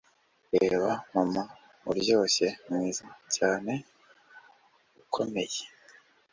Reba mama uryoshye mwiza cyane ukomeye